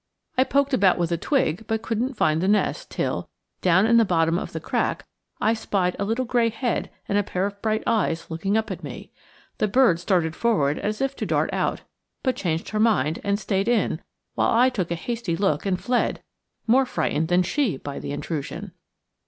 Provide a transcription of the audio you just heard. I poked about with a twig but couldn't find the nest till, down in the bottom of the crack, I spied a little gray head and a pair of bright eyes looking up at me. The bird started forward as if to dart out, but changed her mind and stayed in while I took a hasty look and fled, more frightened than she by the intrusion.